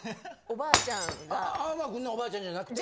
青馬くんのおばあちゃんじゃなくて。